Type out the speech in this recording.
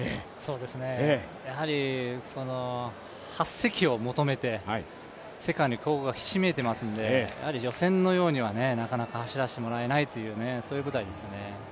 やはり８席を求めて世界の強豪がひしめいていますので予選のようにはなかなか走らせてもらえないという舞台ですね。